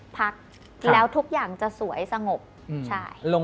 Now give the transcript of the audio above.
พักแล้วทุกอย่างจะสวยสงบ